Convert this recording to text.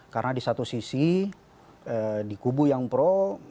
karena di satu sisi di kubu yang pro